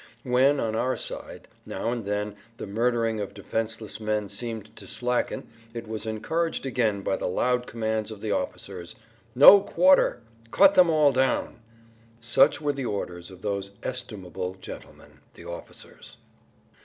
When, on our side, now and then the murdering of defenseless men seemed to slacken it was encouraged again by the loud commands of the officers. "No quarter!" "Cut them all down!" Such were the orders of those estimable gentlemen, the officers.